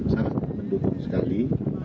sangat mendukung sekali